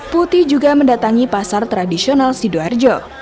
putih juga mendatangi pasar tradisional sidoarjo